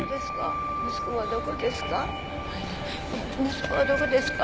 息子はどこですか？